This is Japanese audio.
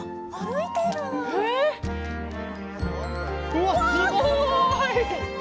うわすごい。